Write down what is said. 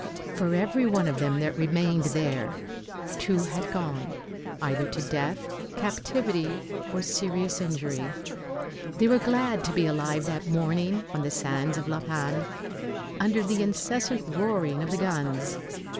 Flor every one of them that remained there, two had gone, either to death, captivity or serious injury. They were glad to be alive that morning on the sands of La Panne, under the incessant roaring of the guns.